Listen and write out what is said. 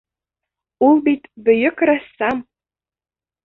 Ул бит бөйөк рәссам!